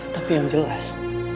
tapi yang jelas